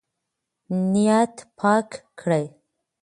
نیت پاک کړئ.